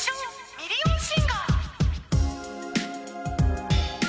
ミリオンシンガー